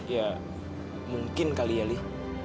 ya mungkin kali ya li